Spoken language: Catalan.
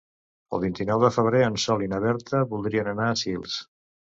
El vint-i-nou de febrer en Sol i na Berta voldrien anar a Sils.